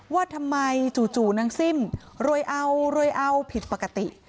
ว่าทำไมจู่นางซิ่มรวยเอารวยเอาผิดปกติ